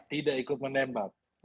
tidak ikut menembak